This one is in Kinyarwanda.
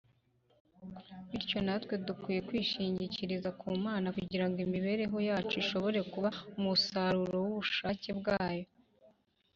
. Bityo natwe dukwiye kwishingikiriza ku Mana kugira ngo imibereho yacu ishobore kuba umusaruro w’ubushake Bwayo.